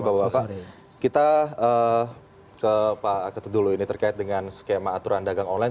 bapak bapak kita ke pak ketut dulu ini terkait dengan skema aturan dagang online